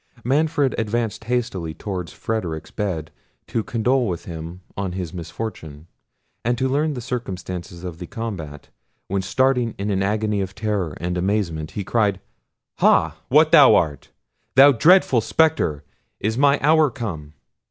Manfred advanced hastily towards Frederic's bed to condole with him on his misfortune, and to learn the circumstances of the combat, when starting in an agony of terror and amazement, he cried— "Ha! what art thou? thou dreadful spectre! is my hour come?"